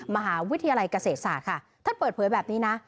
มหาวิทยาลัยเกษตรศาสตร์ค่ะท่านเปิดเผยแบบนี้นะ